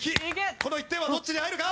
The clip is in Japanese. この１点はどっちに入るか？